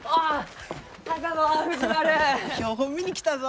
標本見に来たぞ。